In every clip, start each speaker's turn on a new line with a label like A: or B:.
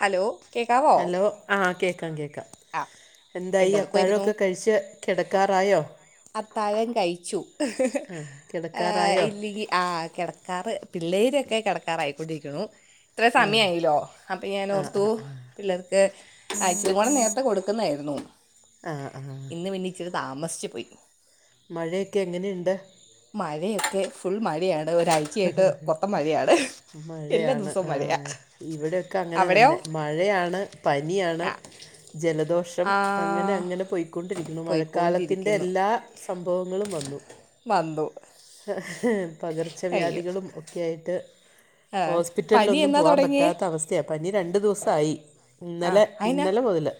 A: Hello കേൾക്കാവോ
B: ആഹ് കേൾക്കാം കേൾക്കാം എന്തായി
A: എന്തെടുക്കുവായിരുന്നു
B: അത്താഴമൊക്കെ കഴിച്ച് കിടക്കാറായോ
A: അത്താഴം കഴിച്ചു
B: ആ
A: [unintelligible]
B: കിടക്കാറായോ
A: ഇല്ലെങ്കിൽ ആഹ് കിടക്കാറ് പിള്ളേരൊക്കെ കിടക്കാറായിക്കൊണ്ടിരിക്കുന്നു ഇത്ര
B: ആ
A: സമയയില്ലോ അപ്പൊ
B: ആ
A: ഞാൻഓർത്തു
B: ആ
A: പിള്ളേർക്ക് ഇച്ചിരി കൂടെ നേരത്തെ കൊടുക്കുന്നായിരുന്നു
B: ആഹ് ആഹ്
A: ഇന്ന് പിന്നെ ഇച്ചിരി താമസിച്ച് പോയി
B: മഴയൊക്കെ എങ്ങനെയുണ്ട്
A: മഴയൊക്കെ ഫുൾ മഴയാണ് ഒരാഴ്ചയായിട്ട് മൊത്തം മഴയാണ് എല്ലാ
B: മഴയാണ്
A: ദിവസവും
B: ആഹ്
A: മഴയാണ്
B: ഇവിടെയൊക്കെ അങ്ങനെ
A: അവിടെയോ
B: തന്നെ മഴയാണ് പനിയാണ്
A: ആ
B: ജലദോഷം
A: ആ
B: അങ്ങനെ അങ്ങനെ പോയിക്കൊണ്ടിരിക്ക്ണ് മഴക്കാലത്തിന്റെ
A: പോയിക്കൊണ്ടിരിക്കുന്നു
B: എല്ലാ സംഭവങ്ങളും വന്നു
A: വന്നു
B: പകർ
A: അയ്യോ
B: വ്യാധികളും ഒക്കെ ആയിട്ട്
A: ആ പനി
B: ഹോസ്പിറ്റലിലൊന്നും
A: എന്നാ
B: പോകാൻ
A: തുടങ്ങിയേ
B: പറ്റാത്ത അവസ്ഥയാണ്, പനി രണ്ടു ദിവസമായി.
A: ആ
B: ഇന്നലെ
A: അതെന്നാ
B: ഇന്നലെ മുതല്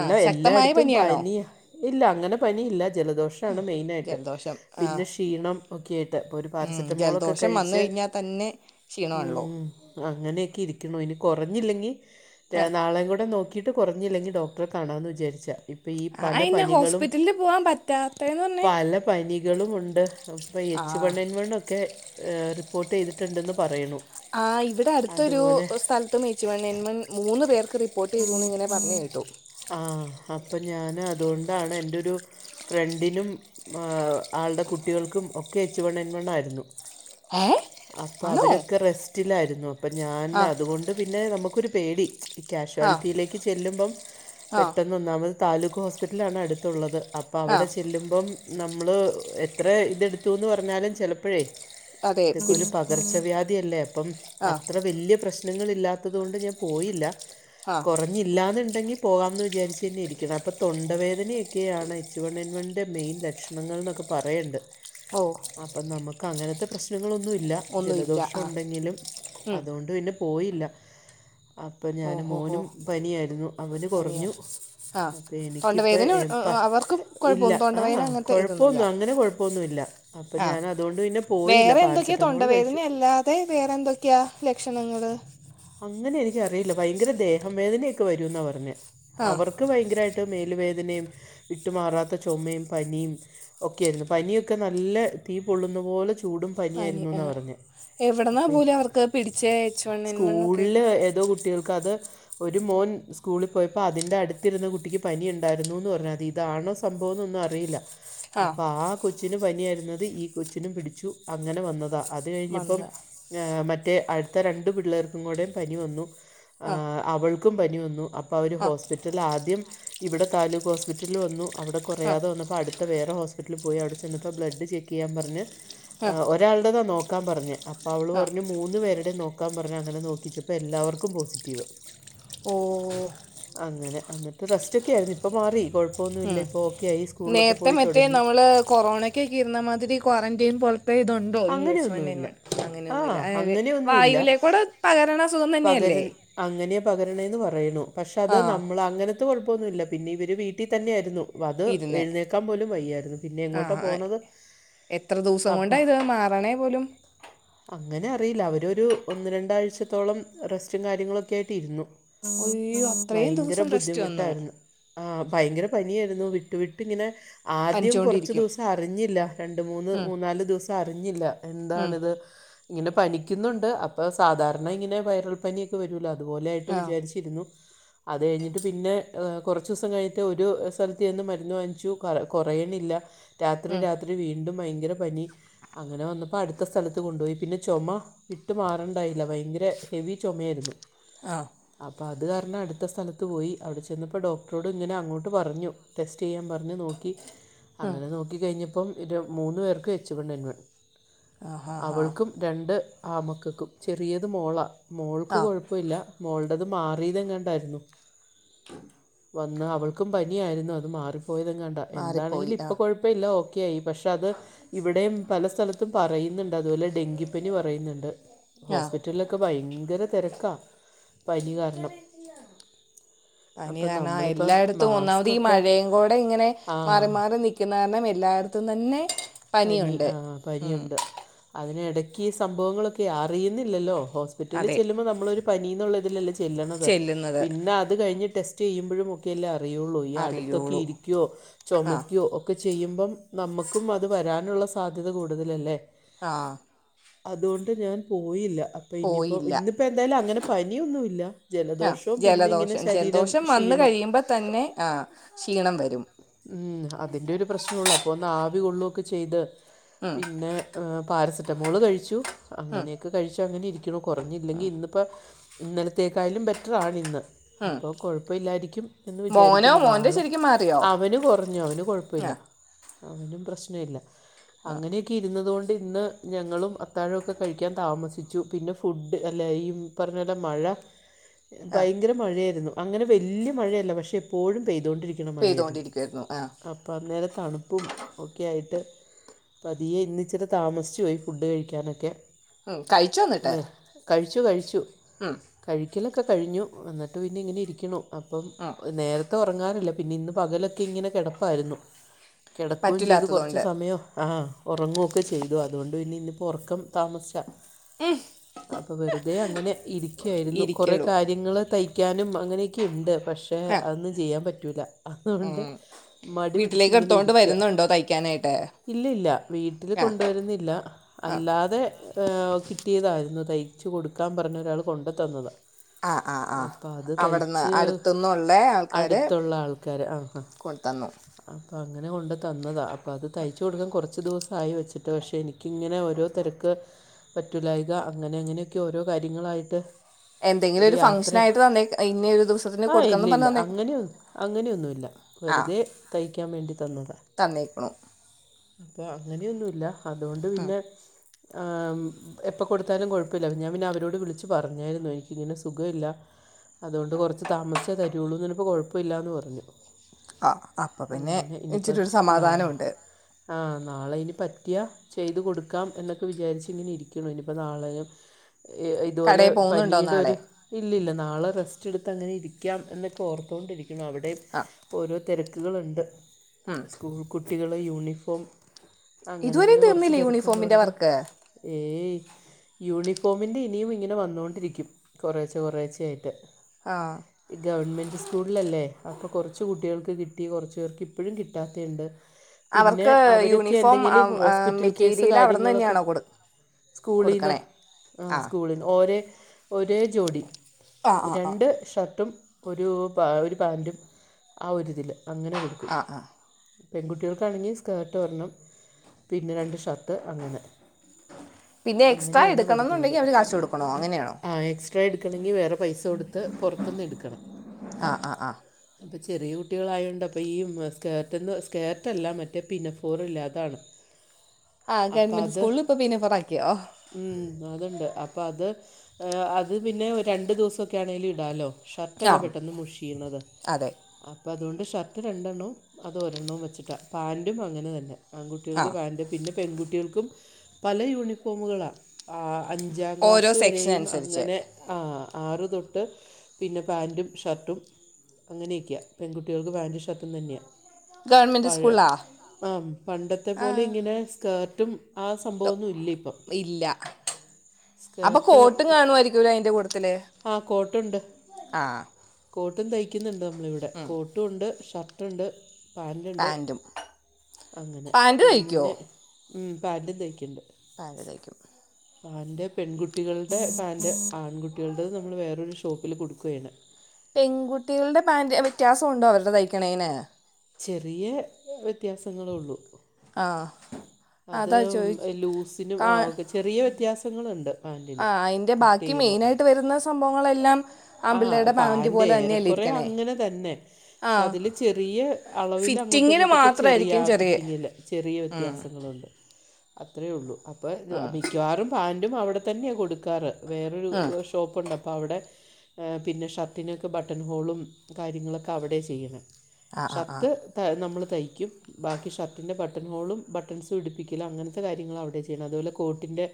A: ആ ശക്തമായ
B: എല്ലായിടത്തും
A: പനിയാണോ
B: പനിയാ. ഇല്ല, അങ്ങനെ പനിയില്ല ജലദോഷമാണ് മെയിനായിട്ട്
A: ജലദോഷം ആ
B: പിന്നെ ക്ഷീണം. ഓക്കെ ആയിട്ട്, ഒരു
A: ഉം,
B: പാരസെറ്റമോളൊക്കെ
A: ജലദോഷം വന്നു
B: കഴിച്ച്
A: കഴിഞ്ഞാൽ തന്നെ ക്ഷീണമാണല്ലോ
B: ഉം അങ്ങനെയൊക്കെ ഇരിക്ക്ണു, ഇനി കുറഞ്ഞില്ലെങ്കിൽ
A: ആ
B: ഞാൻ നാളെ കൂടെ നോ ക്കിട്ട് കുറഞ്ഞില്ലെങ്കിൽ ഡോക്ടറെ കാണമെന്ന് വിചരിച്ചാ. ഇപ്പൊ ഈ
A: ആ
B: പല
A: അതെന്നാ
B: പനികളും
A: ഹോസ്പിറ്റലിൽ പോകാൻ പറ്റാത്തതെന്ന് പറഞ്ഞേ
B: പല പനികളുമുണ്ട്. ഇപ്പോൾ ഈ
A: ആ
B: എച്ച് വൺ എൻ വൺ വണൊക്കെ റിപ്പോർട്ട് ചെയ്തിട്ടുണ്ടെന്ന് പറയണു.
A: ആ ഇവിടെ അടുത്തൊരു
B: അതുപോലെ
A: സ്ഥലത്ത് എച്ച് വൺ എൻ വൺ മൂന്ന് പേർക്ക് റിപ്പോർട്ട് ചെയ്തുന്ന് ഇങ്ങനെ പറഞ്ഞു കേട്ടു.
B: ആഹ് അപ്പം ഞാൻ അതുകൊണ്ടാണ് എൻ്റെ ഒരു ഫ്രണ്ടിനും ആളുടെ കുട്ടികൾക്കും ഒക്കെ എച്ച്‌ വൺ എൻ വണ്ണായിരുന്നു.
A: ഏ
B: അപ്പൊ
A: ആണോ
B: അവരൊക്കെ റെസ്റ്റ്. റെസ്റ്റിലായിരുന്നു അപ്പൊ ഞാൻ
A: ആ
B: അതുകൊണ്ട് പിന്നെ നമുക്കൊരു പേടി.
A: ആ
B: കാഷ്വാലിറ്റിയിലേക്ക് ചെല്ലുമ്പം
A: ആ
B: പെട്ടെന്ന് ഒന്നാമത് താലൂക്ക് ഹോസ്പിറ്റലാണ് അടുത്തുള്ളത് അപ്പോ അപ്പോ
A: ആ
B: അവടെ ചെല്ലുമ്പം നമ്മൾ എത്ര ഇതെടുത്തുന്ന് പറഞ്ഞാലും ചിലപ്പോഴേ
A: അതെ
B: ഇതൊക്കെ
A: പിടി
B: ഒരു പകർച്ചവ്യാധി അല്ലേ അപ്പം
A: ആ
B: അത്ര വല്യ പ്രശ്നം പ്രശ്നങ്ങളില്ലാത്തത് കൊണ്ട് ഞാൻ പോയില്ല.
A: ആ
B: കുറഞ്ഞില്ലാന്നുണ്ടെങ്കിൽ പോകാമെന്ന് വിചാരിച്ചന്നെ ഇരിക്കണത് അപ്പോ തൊണ്ടവേദനയൊക്കെയാണ് എച്ചു വൺ എൻ വണ്ണിന്റെ മെയിൻ ലക്ഷണ. നങ്ങൾ എന്നൊക്കെ പറയണ്ട്.
A: ഓ
B: അപ്പോ നമുക്ക് അങ്ങനത്തെ പ്രശ്നങ്ങളൊന്നുമില്ല
A: ഒന്നുമില്ല
B: ജലദോഷം
A: ആ
B: ഉണ്ടെങ്കിലും
A: ഉം.
B: അതുകൊണ്ട് പിന്നെ പോയില്ല, അപ്പം
A: ഓ
B: ഞാനും
A: ഹോ ഹോ
B: മോനും പനിയായിരുന്നു, അവന്
A: പനിയ
B: കുറഞ്ഞു.
A: ആ
B: അപ്പൊ
A: തൊണ്ടവേദന
B: എനിക്കിപ്പ
A: അവർക്കും
B: ഇല്ല
A: കുഴപ്പമൊന്നും
B: ആഹ്
A: തൊണ്ടവേദന അങ്ങനത്തെ ഇതൊന്നുമില്ല
B: കൊഴപ്പൊന്നും അങ്ങനെ കൊഴപ്പൊന്നുമില്ല. അപ്പം
A: ആ
B: ഞാൻ അതുകൊണ്ട് പിന്നെ പോയില്ല, പാരസെറ്റമോൾ കഴിച്ചു.
A: അതെ, വേറെ എന്തൊക്കെയാ ലക്ഷണങ്ങൾ.
B: അങ്ങനെ എനിക്കറിയില്ല, ഭയങ്കര ദേഹം വേദനയൊക്കെ വരുന്നാ പറഞ്ഞത്
A: ആ
B: അവർക്ക് ക്ക് ഭയങ്കരമായിട്ട് മേല് വേദനയും വിട്ടുമാറാത്ത ചുമയും പനിയും. ഓക്കെ ആയിരുന്നു പനിയൊക്കെ നല്ല തീ പൊള്ളുന്ന പോലെ ചൂ
A: പനി ആ എവിടുന്നാ
B: അപ്പം
A: പോലും അവർക്ക് പിടിച്ച എച്ച് വൺ എൻ വണ്ണോക്കേ.
B: സ്കൂളില് ഏതോ കുട്ടികൾക്ക് അത് ഒരു മോൻ സ്കൂളിൽ പോയപ്പോൾ അതിൻ്റെ അടുത്തിരുന്ന കുട്ടിക്ക് പനി ഉണ്ടായിരുന്നു എന്ന് പറഞ്ഞു. അത് ഇതാണോ സംഭവം എന്നൊന്നും അറിയില്ല. അപ്പൊ ആ കൊച്ചിനു പനിയായിരുന്നത് ഈ കൊച്ചിനും പിടിച്ചു അങ്ങനെ വന്നതാ. അത് കഴിഞ്ഞപ്പം
A: വന്നത്
B: മറ്റേ അടുത്ത രണ്ട് പിള്ളേർക്കും കൂടെയും പനി വന്നു.
A: ആ
B: അവൾക്കും പനി വന്നു. അപ്പോൾ അവർ
A: ആ
B: ഹോസ്പിറ്റലിൽ ആദ്യം ഇവിടെ താലൂക്ക് ഹോസ്പിറ്റലിൽ വന്നു. അവിടെ
A: ആ
B: കുറയാതെ വന്നപ്പോൾ അടുത്ത വേറെ ഹോസ്പിറ്റലിൽ പോയി, അവിടെ ചെന്നപ്പോൾ ബ്ലഡ് ചെക്ക് ചെയ്യാൻ പറഞ്ഞ്
A: ആ
B: ഒരാളുടെതാ നോക്കാൻ പറഞ്ഞത്, അപ്പൊ അവള്
A: ആ ആ
B: പറഞ്ഞു മൂന്ന് പേരുടെയും നോക്കാൻ പറ ഞ്ഞു. അങ്ങനെ നോക്കിച്ചപ്പോ എല്ലാവർക്കും പോസിറ്റീവ്.
A: ഓ
B: അങ്ങനെ എന്നിട്ട് റെസ്റ്റ് ഒക്കെ ആയിരുന്നു ഇപ്പോ മാറി കുഴപ്പം
A: ഉം, നേരത്തെ മറ്റേ
B: തുടങ്ങി
A: നമ്മള് കൊറോണ ക്കൊക്കെ ഇര്ന്നമാതിരി ക്വാറന്റൈൻ പോലത്തെ ഇതു ണ്ടോ? ഈ എച്ച് വൺ എൻ
B: അങ്ങനെയൊന്നുമില്ല
A: വൺ,
B: ആ
A: അങ്ങനെയൊന്നുമില്ല
B: അങ്ങനെയൊന്നുമില്ല
A: വായുവിലേക്കൂടെ പകരണ അസുഖം
B: പകര
A: തന്നെയല്ലേ.
B: അങ്ങനെ പകരണന്ന് പറയണു പക്ഷെ അത്
A: ആ
B: നമ്മൾ അങ്ങനെ. ത്തൊ കുഴപ്പൊന്നുല്ല, പിന്നെ ഇവര് വീട്ടീ തന്നെ ആയിരുന്നു. അത്
A: ഇരുന്നേ
B: എഴുന്നേക്കാൻ പോലും വയ്യായിരുന്നു, പിന്നെ
A: ആ
B: എങ്ങോട്ടാ
A: ആ.
B: പോണത്.
A: എത്ര ദിവസം കൊണ്ടാ
B: അപ്പം
A: ഇത് മാറണേ പോലും?
B: അങ്ങനെ അറിയില്ല, അവരൊരു ഒന്ന് രണ്ടാഴ്ചത്തോളം റെസ്റ്റും കാര്യങ്ങളൊക്കെ ആയിട്ട് ഇരുന്നു.
A: അയ്യോ അത്രയും
B: വയങ്കര
A: ദിവസം റെസ്റ്റ് വന്നു
B: ബുദ്ധിമുട്ടായിരുന്നു. ആഹ് ഭയങ്കര പനിയായിരുന്നു, വിട്ടു വിട്ട് ങ്ങനെ ആദ്യം കുറച്ച്
A: പനിച്ചോണ്ടിരിക്കും
B: ദിവസം അറിഞ്ഞില്ല രണ്ട് മൂന്ന്
A: ഉം,
B: മൂന്ന് നാല് ദിവസം അറിഞ്ഞില്ല.
A: ഉം,
B: എന്താണിത് ഇങ്ങനെ പനിക്കുന്നുണ്ട് അപ്പോൾ സാധാരണ ഇങ്ങനെ വൈറൽ പനിയൊ ക്കെ വരൂല്ലോ അതുപോലെയായിട്ട്
A: ആ
B: വിചാരിച്ചിരുന്നു അത് കഴിഞ്ഞിട്ട് പിന്നെ ഏഹ് കുറച്ച് ദിവസം കഴിഞ്ഞിട്ട് ഒരു സ്ഥലത്ത് ചെന്ന് മരുന്ന് വാങ്ങിച്ചു കുറയണില്ല രാത്രി
A: ഉം,
B: രാത്രി വീണ്ടും ഭയങ്കര പനി അങ്ങനെ വന്നപ്പോ അടുത്ത സ്ഥലത്ത് കൊണ്ടുപോയി പിന്നെ ചൊമ ട്ട് മാറണ്ടായില്ല ഭയങ്കര ഹെവി ചൊമയാരുന്നു
A: ആഹ്
B: അപ്പ അത് കാരണം അടുത്ത സ്ഥലത്ത് പോയി അവിടെ ചെന്നപ്പോ ഡോക്ടറോട് ഇങ്ങന അങ്ങോട്ട് പറഞ്ഞു ടെസ്റ്റ് ചെയ്യാൻ പറഞ്ഞ് നോക്കി
A: ഉം,
B: അങ്ങനെ നോക്കി കഴിഞ്ഞപ്പം മൂന്ന് പേർക്ക് എച്ച് വൺ എൻ വൺ
A: ആ ഹാ ഹാ
B: അവൾക്കും രണ്ട് ആമക്കക്കും ചെറിയത് മോള മോൾക്ക്
A: ആ
B: കൊഴപ്പ ഇല്ല മോള്ടത് മാറിയതെങ്ങാണ്ടായിരുന്നു
A: [inaudible]
B: വന്ന് അവൾക്കും പനിയാരുന്നു അത് മാറിപ്പോയതെങ്ങാണ്ട
A: മാറിപ്പോയി
B: എന്താണെങ്കിലും
A: ആ
B: ഇപ്പോ കൊഴപ്പില്ല ഓക്കെ യായി പക്ഷെ അത് ഇവിടെം പല സ്ഥലത്തും പറയുന്നുണ്ട് അതുപോലെ ഡെങ്കിപ്പനി പറയുന്നുണ്ട്
A: ആ
B: ഹോസ്പിറ്റലലിലൊക്കെ ഭയങ്കര തെരക്കാ പനി കാരണം അപ്പം
A: പനികാരണം ആഹ്
B: നമ്മളിപ്പം
A: എല്ലായിടത്തും ഒന്നാമത് ഈ
B: മാസ്ക്കൊക്കെ
A: മഴെ കൂടെ ഇങ്ങനെ
B: ആ
A: മാറി മാറി നിക് ക്കുന്ന കാരണം എല്ലായിടത്തും തന്നെ
B: പനി
A: പനിയുണ്ട്
B: ആഹ്
A: ഉം,
B: പനിയുണ്ട് അതിന് ഇടക്ക് ഈ സംഭവങ്ങളൊക്കെ അറിയുന്നില്ലല്ലോ ഹോസ്പിറ്റലിൽ
A: അതെ
B: ചെല്ലുമ്പോ നമ്മളൊരു പനിന്നുള്ള ഇതിലല്ലേ ചെല്ലണത്
A: ചെല്ലുന്നത്
B: പിന്നെ അത് കഴിഞ്ഞ് ടെസ്റ്റ് ചെയ്യുമ്പോഴും ഒക് ക്കെല്ലേ അറിയുള്ളൂ ഈ അടുത്തൊക്കെ
A: അറിയുള്ളൂ
B: ഇരിയ്ക്കോ
A: ആ
B: ചൊമയ്ക്കോ ഒക്കെ ചെയ്യുമ്പം നമുക്കും വന് ത് വരാനുള്ള സാധ്യത കൂടുതലല്ലേ
A: ആഹ്
B: അതുകൊണ്ട് ഞാൻ പോയില്ല ഇന്നിപ്പോ
A: പോയില്ല
B: ഇന്നിപ്പോ എന്തായാലും അങ്ങനെ പനിയൊന്നുഇല്ല
A: ആ
B: ജലദോഷോം പിന്നെ ഇങ്ങനെ
A: ജലദോഷം
B: ശരീരം
A: ജലദോഷം വന്നു
B: ക്ഷീണം
A: കഴിയുമ്പോൾ തന്നെ ആഹ് ക്ഷീണം വരും
B: ഉം അതിന്റെ ഒരു പ്രശ്നം ഉള്ളു അപ്പോ ഒന്ന് ആവി കൊള്ളുവൊക്കെ ചെയ്ത്
A: ഉം,
B: പിന്നെ ആഹ് പാരസെറ്റമോള് കഴിച്ചു
A: ഉം,
B: അങ്ങനെയൊക്കെ കഴിച്ചു അങ്ങനെ ഇരിക്കണു കുറഞ്ഞില്ലെങ്കി ഇന്നിപ്പൊ ഇന്നലത്തേക്കാലും ബെറ്ററാണ് ഇന്ന്
A: ഉം.
B: അപ്പോ കുഴപ്പയില്ലാരിക്കും എന്ന്
A: മോനോ
B: വിചാരിക്ക്ണു
A: മോൻ്റെ
B: നാളെ
A: ശരിക്കും മാറിയോ
B: അവന് കുറഞ്ഞു അവന് കുഴപ്പല്ല
A: ആ
B: അവനും പ്രശ്നല്ല അങ്ങനെ ക്കി ഇരുന്നതുകൊണ്ട് ഇന്ന് ഞങ്ങളും അത്താഴൊക്കെ കഴിക്കാൻ താമസിച്ചു പിന്നെ ഫുഡ് അല്ല ഈ പറഞ്ഞോലെ മഴ
A: ആ
B: ഭയങ്കര മഴായിരുന്നു അങ്ങനെ വല്യ മഴയല്ല പക്ഷെ എപ്പോഴും പെയ്തൊണ്ടിരിക് രിക്കണ മഴയാരുന്നു
A: പെയ്തുകൊണ്ടിരിക്കുമായിരുന്നു ആ
B: അപ്പം അന്നേരം തണുപ്പും ഒക്കെ ആയിട്ട് പതിയെ ഇന്ന് ഇച്ചിരി താമസിച്ച് പോയി ഫുഡ് കഴിക്കാനൊക്കെ
A: ഉം കഴിച്ചോ എന്നിട്ട്
B: കഴിച്ചു കഴിച്ചു
A: ഉം,
B: കഴിക്കലൊക്കെ കഴിഞ്ഞു എന്നിട്ട് പിന്നെ ഇങ്ങനെ ഇരിക്ക്ണു അപ്പം
A: ഉം.
B: നേരത്തെ ഉറങ്ങാറില്ല പിന്നെ ഇന്ന് പകലൊക്കെ ഇങ്ങനെ കിടപ്പായിരുന്നു കിടക്കുവേം ചെയ്തു കുറച്ച്
A: പറ്റില്ലാത്തതുകൊണ്ട്
B: സമയം ആഹ് ഒറങ്ങുവൊക്കെ ചെയ്തു അതുകൊണ്ട് ന്നി ഇന്നിപ്പോ ഉറക്കം താമസാ അപ്പൊ വെറുതെ അങ്ങനെ ഇരിക്കാരുന്നു കൊറെ
A: ഇരിക്കടൂ
B: കാര്യങ്ങള് തയ് യ്ക്കാനും അങ്ങനെയെക്കെണ്ട് പക്ഷേ
A: ആ
B: അതൊന്നും ചെയ്യാൻ പറ്റുല്ല അതുകൊണ്ട്
A: ഉം.
B: മടി
A: വീട്ടിലേക്ക്
B: പിടിച്ചിങ്ങനെ
A: എടുത്തോണ്ട്
B: ഇരിക്ക്യാ
A: വരുന്നുണ്ടോ [unintelligible]
B: ഇല്ല ഇല്ല വീട്ടില്
A: ആ
B: കൊണ്ടുവരുന്നില്ല
A: ആ
B: അല്ലാതെ ഏഹ് കിട്ടിയതായിരുന്നു തയ്ച്ചു കൊടുക്കാൻ പറഞ്ഞ് ഒരാള് കൊണ്ട് തന്നതാ
A: ആ ആ ആ
B: അപ്പ അത്
A: അവിടുന്ന്
B: തയ്ച്ചു
A: അടുത്തുനിന്നുള്ള ആൾക്കാർ
B: അട്ത്ത്ള്ള ആൾ ക്കാര് ആഹ് ആഹ്
A: കൊണ്ടുതന്നു
B: അപ്പ അങ്ങന കൊണ്ട്തന്നതാ അപ്പ അത് തയ്ച്ച് കൊടുക്കാൻ കൊറച്ച് ദിവസായി വെച്ചിട്ട് പക്ഷേ എനി ക്കിങ്ങനെ ഓരോ തെരക്ക് പറ്റൂലായിക അങ്ങനെയങ്ങനെക്ക്യോരോ കാര്യങ്ങളായിട്ട്
A: എന്തെങ്കിലും ഒരു ഫംഗ്ഷനായിട്ട് തന്നേ ഇന്ന ഒരു ദിവസത്തിന് കൊടുക്കണംന്ന് പറഞ്ഞ് തന്നേ
B: അങ്ങനെയൊന്നുല്ല വെറ്തെ തയ്ക്കാൻ വേണ്ടി തന്നതാ
A: തന്നേക്ക്ണു
B: അപ്പൊ അങ്ങനെയൊന്നുല്ല അത്കൊണ്ട് പിന്നെ ഏഹ് ഉം എപ്പ കൊട്ത്താലും കൊഴപ്പല്ല പിന്നെ ഞാൻ പിന്നെ അവരോട് വിളിച്ച് പറഞ്ഞാര്ന്നു എനിക്കിങ്ങനെ സുഖവില്ല അതുകൊണ്ട് കൊറച്ച് താമസിച്ചേ തരോള്ളൂന്ന് പറഞ്ഞപ്പോ കൊഴപ്പല്ലാന്ന് പറഞ്ഞു
A: ആഹ് അപ്പ പിന്നെ
B: അങ്ങനെ
A: ഇച്ചിരിയൊരു സമാധാനോണ്ട്
B: ആഹ് നാളെ ഇനി പറ്റിയാ ചെയ്ത് കൊടുക്കാം എന്നൊക്കെ വിചാരിച്ചിങ്ങനെ ഇരിക്ക്ണ് ഇനിപ്പൊ നാളെയും ഏഹ് ഇത്പോലെ
A: കടയിൽ പോകുന്നുണ്ടോ നാളെ
B: പനീടൊരു ഇല്ലില്ല നാളെ റെസ്റ്റെട്ത്ത് അങ്ങനെ ഇരിക്കാം എന്നൊക്കോർത്തോണ്ടിരിക്ക്ണ് അവിടേം
A: ആഹ്
B: ഇപ്പോരോ തെരക്ക്കള്ണ്ട് സ്കൂൾ കുട്ടികളെ യൂണിഫോം അങ്ങനെ
A: ഇതുവരേം
B: അങ്ങനെ കുറച്ച്
A: തീർന്നില്ലേ യൂണിഫോമിന്റെ
B: തിരക്കുള്ളതുകൊണ്ട്
A: വർക്ക്
B: ഏയ് യൂണിഫോമിൻ്റെ ഇനിയും ഇങ്ങനെ വന്നോണ്ടിരിക്കും കൊറേച്ചെ കൊറേച്ചെയായിട്ട്
A: ആഹ്
B: ഈ ഗവൺമെന്റ് സ്കൂള്ലല്ലേ അപ്പൊ കൊറച്ച് കുട്ടിയൾക്ക് കിട്ടി കൊറച്ച് പേർക്ക് ഇപ്പഴും കിട്ടാത്തേണ്ട് പിന്നെ
A: അവർക്ക്
B: അവരൊക്കെ
A: യൂണിഫോം
B: എന്തെങ്കില് ഹോസ്പിറ്റൽ കേസ്
A: മെറ്റീരിയൽ അവിടെ നിന്ന്
B: കാര്യങ്ങളൊക്ക
A: തന്നെയാണോ കൊടു
B: സ്കൂളീന്നാ
A: കൊടുക്കണേ
B: ആഹ്
A: ആ
B: സ്കൂളീന്ന് ഓരേ ഒരേ ജോഡി
A: ആ ആ ആ
B: രണ്ട് ഷർട്ടും ഒരു പാ ഒര് പാന്റും ആ ഒരുതില് അങ്ങനെ കൊട്
A: ആഹ് ആഹ്
B: പെൺകുട്ടിയൾക്കാണെങ്കി സ്കേർട്ട് ഒരെണ്ണം പിന്നെ രണ്ട് ഷർട്ട് അങ്ങനെ
A: പിന്നെ എക്സ്ട്രാ എടുക്കണന്നുണ്ടെങ്കി അവര് കാശു കൊടുക്ക
B: ആഹ് എക്സ്ട്രാ എട്ക്കണങ്കി വേറെ പൈസ കൊട്ത്ത് പൊറത്ത്ന്ന് എട്ക്കണം
A: ആഹ് ആഹ് ആഹ്
B: അപ്പ ചെറിയേ കുട്ടികളായോണ്ട് അപ്പ ഈ മ് സ്കേർട്ടന്ന് സ്കേർട്ടല്ല മറ്റേ പിനഫോറില്ലെ അതാണ്
A: ആഹ്
B: അപ്പം
A: ഗവൺമെന്റ്
B: അത്
A: സ്കൂള്പ്പൊ പിനഫോറാക്കിയോ ഓഹ്
B: ഉം അത്ണ്ട് അപ്പത് ഏഹ് അത് പിന്നെ ഒര് രണ്ട് ദിവസൊക്കാണേലും ഇടാലോ
A: ആ
B: ഷർട്ടല്ലെ പെട്ടെന്ന് മുഷിയ്ണത്
A: അതെ
B: അ പ്പ അതോണ്ട് ഷർട്ട് രണ്ടെണ്ണം അത് ഒരെണ്ണും വെച്ചിട്ടാ പാന്റും അങ്ങനെ തന്നെ
A: ആ
B: ആൺകുട്ടിയൾക്ക് പാൻ്റ് പിന്നെ പെൺകുട്ടിയൾക്കും പല യൂണിഫോമ്കളാ ആഹ് അഞ്ചാം
A: ഓരോ
B: ക്ലാസ്സ്
A: സെക്ഷൻ
B: വരെയും
A: അനുസരിച്ച്
B: അങ്ങനെ ആഹ് ആറ് തൊട്ട് പിന്നെ പാൻ്റും ഷർട്ടും അങ്ങനെക്ക്യാ പെൺകുട്ടിയൾക്ക് പാൻ്റും ഷർട്ടും തന്നെയാ
A: ഗവൺമെൻറ്
B: പഴ
A: സ്കൂളാ
B: ആഹ് പണ്ടത്തെ
A: ആ
B: പോലെ ഇങ്ങനെ സ്കേർട്ടും ആ സംഭവൊന്നും ഇല്ല്യേ
A: ഇല്ലാ അപ്പൊ
B: സ്കേർട്ട്
A: കോട്ടും കാണുവായിരിക്കൂലൊ അയ്ന്റെ കൂട്ടത്തില്
B: ആഹ് കോട്ട്ണ്ട്
A: ആ
B: കോട്ടും തയ്ക്കുന്ന്ണ്ട് നമ്മളിവ്ടെ കോ ട്ടുണ്ട് ഷർട്ട്ണ്ട് പാൻ്റ്ണ്ട്
A: പാൻറ്റും
B: അങ്ങനെ
A: പാന്റ് തയ്ക്കോ
B: പിന്നെ ഉം പാൻ്റും തയ്ക്ക്ണ്ട്
A: പ്പാകെതായ്ക്കും
B: പാൻ്റ് പെൺകുട്ടികൾടെ പാൻ്റ് ആൺകു ട്ടികൾടേത് നമ്മള് വേറൊരു ഷോപ്പില് കൊടുക്കുവായ്യ്ണ്
A: പെൺകുട്ടികൾടെ പാൻ്റ് വ്യത്യാസണ്ടോ അവര്ടെ തയ്ക്കണേന്
B: ചെറിയ വ്യത്യാസങ്ങളേ ഒള്ളൂ
A: ആഹ്
B: അത് ലൂസിന് ആഹ് ഒക്കെ ചെറിയ വ്യത്യാസങ്ങള്ണ്ട്
A: ആഹ് അയിന്റെ ബാക്കി മെയിനായിട്ട് വരുന്ന സംഭവങ്ങളെല്ലാം
B: ആഹ്
A: ആൺപിള്ളേരുടെ പാൻറ്
B: പാന്റെ
A: പോലെ തന്നെയല്ലേ
B: ഏറെക്കുറെ
A: ഇരിക്കണേ
B: അങ്ങനെ തന്നെ
A: ആ
B: പഷേ അതില് ചെറിയ അളവില് അങ്ങോട്ടും
A: ഫിറ്റിങ്ങിന്
B: ഇങ്ങോട്ടുവൊക്കെ ചെറിയാ
A: മാത്രമായിരിക്കും ചെറിയ
B: ഫിറ്റിങ്ങില് ചെറിയ
A: ഉം,
B: വ്യത്യാസങ്ങളുണ്ട് അത്രേയൊള്ളൂ അപ്പം
A: ഉം,
B: മിക്കവാറും പാന്റും അവിടെത്തന്നെയാ കൊടുക്കാറ് വേറൊരു
A: ഉം.
B: ഷോപ്പുണ്ട് അപ്പോ അവിടെ ഏഹ് പിന്നെ ഷർട്ടിനൊക്കെ ബട്ടൺ ഹോളും കാര്യങ്ങളൊക്കെ അവിടെയാ ചെയ്യണെ
A: ആ ആ ആ
B: ഷർത്ത് ത്ത് നമ്മള് തയ്ക്കും ബാക്കി ഷർട്ടിൻ്റെ ബട്ടൺ ഹോളും ബട്ടൺസ് പിടിപ്പിക്കല് അങ്ങനത്തെ കാര്യങ്ങളാ അവിടെ ചെയ്യണെ അതുപോലെ കോട്ടിൻ്റെ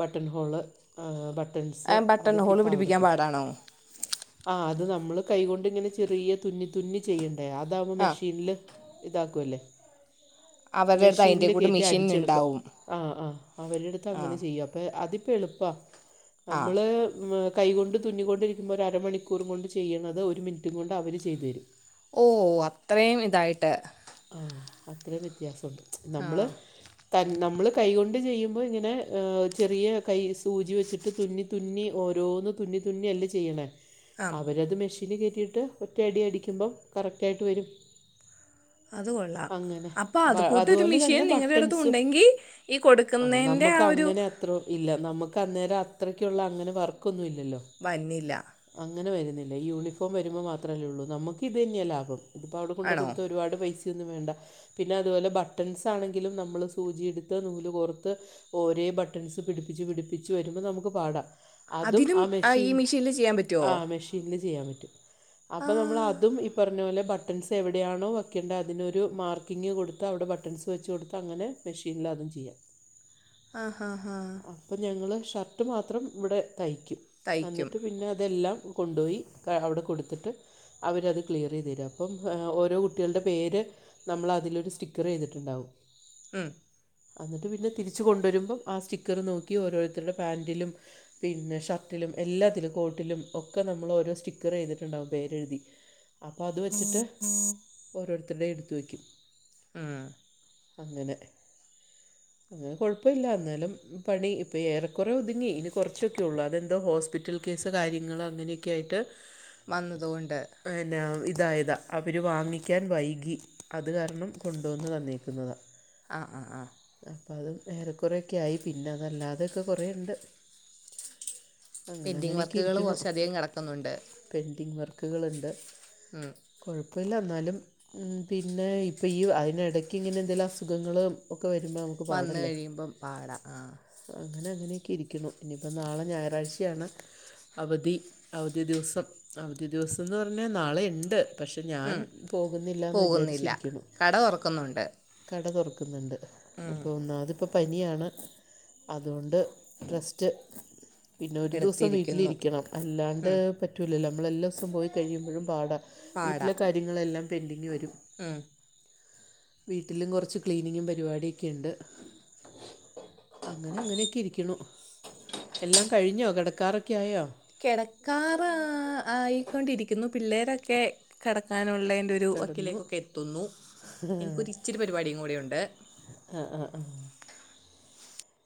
B: ബട്ടൺ ഹോള് ആഹ് ബട്ടൻസ് അതൊക്കെ ഇപ്പം അവിടെ കൊടു
A: ആണോ
B: ആഹ് അത് നമ്മള് കൈകൊണ്ട് ഇങ്ങനെ ചെറിയ തുന്നി തുന്നി ചെയ്യണ്ടേ അതാവുമ്പോ
A: ആ
B: മെഷീനില് ഇതാക്കുവല്ലേ
A: അവരുടെ അടുത്ത് അതിൻ്റെ
B: മെഷീനില്
A: കൂടെ
B: കേറ്റി
A: മെഷീൻ
B: അടിച്ചെടുക്ക
A: ഉണ്ടാവും
B: ആഹ് ആഹ് അവരെടുത്ത്
A: ആ
B: അങ്ങനെ ചെയ്യും അപ്പേ അതിപ്പെ എളുപ്പാ
A: ആ
B: നമ്മള് മ്മ് കൈ കൊണ്ട് തുന്നിക്കൊണ്ടിരി ക്കുന്നൊരരമണിക്കൂർ കൊണ്ട് ചെയ്യണത് ഒരു മിനിറ്റും കൊണ്ട് അവര് ചെയ്ത് തരും
A: ഓഹ് അത്രയും ഇതായിട്ട്
B: ആഹ് അത്രയും വ്യത്യാസുണ്ട് ച്ച്
A: ആ
B: നമ്മള് തൻ നമ്മള് കൈകൊണ്ട് ചെയ്യുമ്പോ ഇങ്ങനെ എഹ് ചെറിയ കൈ സൂചി വെച്ച് ട്ട് തുന്നി തുന്നി ഓരോന്ന് തുന്നി തുന്നി അല്ലേ ചെയ്യണേ
A: ആ
B: അവരത് മെഷീന് കേറ്റിയിട്ട് ഒറ്റയടി അടിക്കുമ്പം കറക്റ്റായിട്ട് വരും
A: അത് കൊള്ളാം
B: അങ്ങനെ
A: അപ്പോൾ അത്
B: ബ
A: കൂട്ടൊരു
B: അതുപോലെ
A: മെഷീൻ
B: തന്നെ
A: നിങ്ങളുടെ അടുത്ത്
B: ബട്ടൻസും
A: ഉണ്ടെങ്കിൽ ഈ
B: ആഹ്
A: കൊടുക്കുന്നതിൻ്റെ ആ
B: നമുക്ക്
A: ഒരു
B: അങ്ങനെ അത്രോം ഇല്ല നമുക്ക് അന്നേരം അത്രക്കുള്ള അങ്ങനെ വർക്കൊന്നും ഇല്ലല്ലോ
A: വൻന്നില്ലാ
B: അങ്ങനെ വരുന്നില്ല ഈ യൂണിഫോം വരുമ്പോ മാത്ര അല്ലേ ഉള്ളൂ നമുക്ക് ഇതന്നെയാ ലാഭം ഇതിപ്പോ അവിടെ കൊണ്ട്
A: ആണോ
B: കൊടുത്ത ഒരുപാട് പൈസയൊന്നും വേണ്ട പിന്നെ അതുപോലെ ബട്ടൺസ് ആണെങ്കിലും നമ്മൾ സൂചിയെടുത്ത് നൂല് കോർത്ത് ഓരേ ബട്ടൺസ് പിടിപ്പിച്ച് പിടിപ്പിച്ച് വരുമ്പോ നമുക്ക് പാടാ അതും
A: അതിനും
B: ആ
A: ഈ
B: മെഷീൻ
A: മെഷീനിൽ ചെയ്യാൻ പറ്റുമോ
B: ആഹ് മെഷീനില് ചെയ്യാൻ പറ്റും
A: ആ
B: അപ്പൊ നമ്മൾ അതും ഈ പറഞ്ഞ പോലെ ബട്ടൻസ് എവിടെയാണോ വെക്കണ്ടേ അതിനൊരു മാർക്കിങ്ങ് കൊടുത്ത് അവിടെ ബട്ടൺസ് വെച്ച് കൊടുത്ത് അങ്ങനെ മെഷീനിൽ അതും ചെയ്യാം
A: ആഹ് ഹ ഹാ
B: അപ്പം ഞങ്ങൾ ഷർട്ട് മാത്രം ഇവിടെ തയ്ക്കും
A: തയ്ക്കും
B: എന്നിട്ട് പിന്നെ അതെല്ലാം കൊണ്ടോയി ക അവിടെ കൊടുത്തിട്ട് അവരത് ക്ലിയർ ചെയ്ത് തരും അപ്പം ഓരോ കുട്ടികളുടെ പേര് നമ്മൾ അതിലൊരു സ്റ്റിക്കർ ചെയ്തിട്ടുണ്ടാവും
A: ഉം
B: അന്നിട്ട് പിന്നെ തിരിച്ചു കൊണ്ടുവരുമ്പം ആ സ്റ്റിക്കറ് നോക്കി ഓരോരുത്തരുടെ പാന്റിലും പിന്നെ ഷർട്ടിലും എല്ലാത്തിലും കോട്ടിലും ഒക്കെ നമ്മൾ ഓരോ സ്റ്റിക്കർ ചെയ്തിട്ടുണ്ടാവും പേരെഴുതി അപ്പൊ അത് വെച്ചിട്ട് ഓരോരുത്തരുടെയും എടുത്ത് വെക്കും
A: ഉം
B: അങ്ങനെ അങ്ങനെ കൊഴപ്പില്ല എന്നാലും പണി ഇപ്പെ ഏറെക്കൊറെ ഒതുങ്ങി ഇനി കുറച്ചൊക്കെ ഉള്ളൂ അതെന്തോ ഹോസ്പിറ്റൽ കേസ് കാര്യങ്ങള് അങ്ങനെയൊക്കെ ആയിട്ട്
A: വന്നതുകൊണ്ട്
B: പിന്നെ ഇതായതാ അവര് വാങ്ങി ക്കാൻ വൈകി അത് കാരണം കൊണ്ടുവന്ന് തന്നേക്കുന്നതാ
A: ആഹ് ആഹ് ആഹ്
B: അപ്പതും ഏറെക്കൊറെയൊക്കെ ആയി പിന്നെ അതല്ലാതെയൊക്കെ കൊറേയുണ്ട്
A: പെന്റിംഗ് വർക്കുകള് കൊറച്ചധികം കെടക്കുന്നുണ്ട്
B: പെൻ്റിംങ് വർക്കുകളുണ്ട്
A: ഉം
B: കുഴപ്പമില്ല എന്നാലും പിന്നെ ഇപ്പ ഈ അതിനിടയ്ക്ക് ഇങ്ങനെ എന്തേങ്കിലും അസുഖങ്ങൾ ഒക്കെ വരുമ്പോ നമുക്ക്
A: വന്നു
B: പാടല്ലേ
A: കഴിയുമ്പം പാടാം ആ
B: അങ്ങനെ അങ്ങനെയൊക്കെ ഇരിക്കുന്നു ഇനിയിപ്പോൾ നാളെ ഞായറാഴ്ചയാണ്. അവധി അവധി ദിവസം അവധി ദിവസംമെന്ന് പറഞ്ഞാൽ നാളെയുണ്ട് പക്ഷെ ഞാൻ
A: ഉം.
B: പോകുന്നില്ലെന്ന്
A: പോകുന്നില്ല
B: വിചാരിച്ചിരിക്കുന്നു.
A: കട തുറക്കുന്നുണ്ട്
B: കട തുറക്കുന്നുണ്ട്
A: ഉം.
B: അപ്പോൾ ഒന്നാമത് ഇപ്പോ പനിയാണ് അതുകൊണ്ട് റെസ്റ്റ് പിന്നെ ഒരു ദിവസം
A: എടുത്തിരിക്കുന്നു
B: വീട്ടിലിരിക്കണം അല്ലാണ്ട്
A: ഉം.
B: പറ്റൂലല്ലോ നമ്മൾ എല്ലാ സവും പോയി കഴിയുമ്പോഴും പാടാ വീട്ടിലെ
A: പാടാം
B: കാര്യങ്ങളെല്ലാം പെൻഡിങ്ങ് വരും
A: ഉം.
B: വീട്ടിൽ കുറച്ച് ക്ലീനിങ് പരിപാടി ഉണ്ട് അങ്ങനെ അങ്ങനെയൊക്കെ ഇരിക്കുന്നു എല്ലാം കഴിഞ്ഞോ കിടക്കാറൊക്കെ ആയോ
A: കിടക്കാറായക്കൊണ്ടിരിക്കുന്നു പിള്ളേരൊക്കെ കിടക്കാനുള്ളേ എൻ്റെ ഒരു
B: കിടന്നു
A: വക്കിലേക്കൊക്കെ എത്തുന്നു എനിക്കൊരു ഇച്ചിരി പരിപാടിയും കൂടെയുണ്ട്
B: ആഹ് ആഹ് ആഹ്